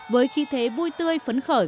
với khí thế vui tươi phấn khởi